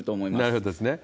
なるほどですね。